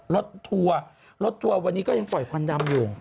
ทัวร์รถทัวร์วันนี้ก็ยังปล่อยควันดำอยู่